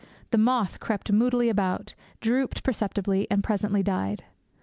The moth crept moodily about; drooped perceptibly; and presently died.